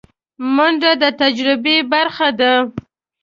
منډه د تجربې برخه ده